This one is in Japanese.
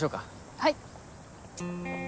はい。